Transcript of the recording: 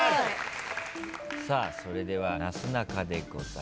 さあそれではなすなかでございます。